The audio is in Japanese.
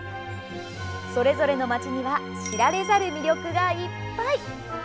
それぞれの街には知られざる魅力がいっぱい。